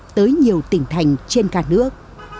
tới nhiều tỉnh thành trên cả nước